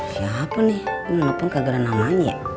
siapa nih kenapa gak ada namanya